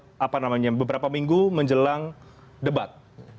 tiga bulan menjelang pilpres dan beberapa minggu menjelang debat